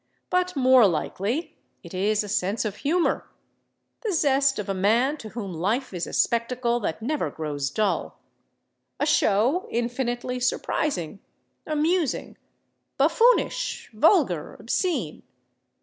But more likely it is a sense of humor—the zest of a man to whom life is a spectacle that never grows dull—a show infinitely surprising, amusing, buffoonish, vulgar, obscene.